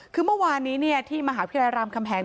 คือเมื่อวานนี้ที่มหาวิทยาลัยรามคำแหง